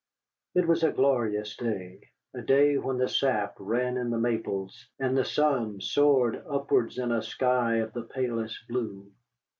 It was a glorious day, a day when the sap ran in the maples, and the sun soared upwards in a sky of the palest blue.